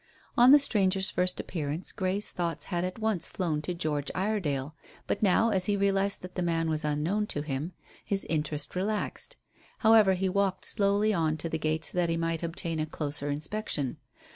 On the stranger's first appearance Grey's thoughts had at once flown to George Iredale, but now, as he realized that the man was unknown to him, his interest relaxed. However, he walked slowly on to the gate so that he might obtain a closer inspection.